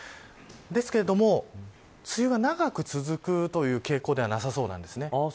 ですけれども、梅雨が長く続くという傾向ではなさそうです。